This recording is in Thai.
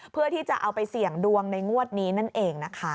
เพื่อที่จะเอาไปเสี่ยงดวงในงวดนี้นั่นเองนะคะ